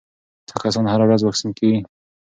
څه کسان هره ورځ واکسین کېږي؟